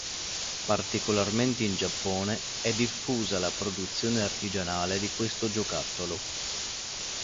Particolarmente in Giappone è diffusa la produzione artigianale di questo giocattolo.